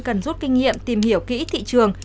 cần rút kinh nghiệm tìm hiểu kỹ thị trường